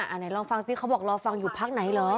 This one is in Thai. ไหนลองฟังสิเขาบอกรอฟังอยู่พักไหนเหรอ